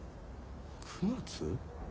９月？